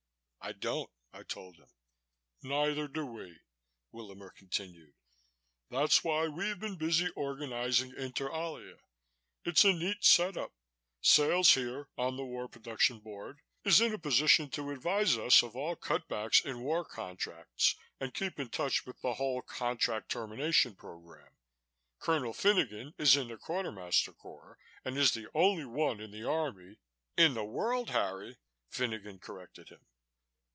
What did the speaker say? "I don't," I told him. "Neither do we," Willamer continued. "That's why we've been busy organizing Inter Alia. It's a neat set up. Sales here, on the War Production Board, is in a position to advise us of all cut backs in war contracts and keep in touch with the whole contract termination program. Colonel Finogan is in the Quartermaster Corps and is the only man in the Army " "In the world, Harry," Finogan corrected him.